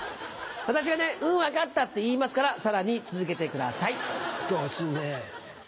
私がね、うん、分かったって言いますから、さらに続けてください。